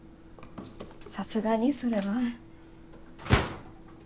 さすがにそれは。